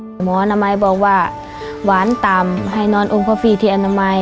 หมอน้ำไม้บอกว่าวานตำให้นอนอุปฟิศที่อนามัย